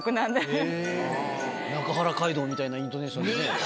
中原街道みたいなイントネーションでね。